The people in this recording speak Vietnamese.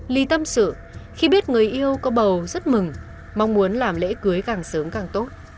ly tâm sự khi biết người yêu có bầu rất mừng mong muốn làm lễ cưới càng sớm càng tốt